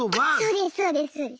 あそうです